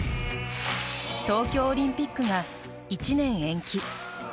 東京オリンピックが１年延期。